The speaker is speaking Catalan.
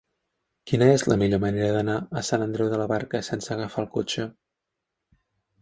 Quina és la millor manera d'anar a Sant Andreu de la Barca sense agafar el cotxe?